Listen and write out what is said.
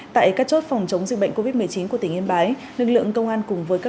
tại các chốt phòng chống dịch bệnh covid một mươi chín của tỉnh yên bái lực lượng công an cùng với các